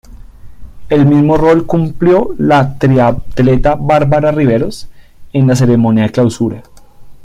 El mismo rol cumplió la triatleta Bárbara Riveros en la ceremonia de clausura.